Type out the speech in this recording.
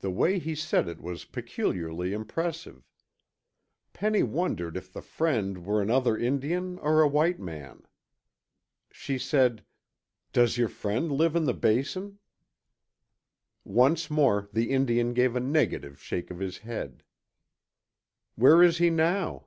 The way he said it was peculiarly impressive. Penny wondered if the friend were another Indian or a white man. She said, "Does your friend live in the Basin?" Once more the Indian gave a negative shake of his head. "Where is he now?"